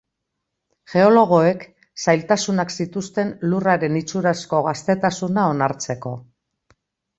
Geologoek zailtasunak zituzten Lurraren itxurazko gaztetasuna onartzeko.